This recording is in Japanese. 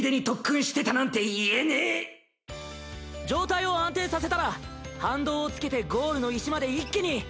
状態を安定させたら反動をつけてゴールの石まで一気に！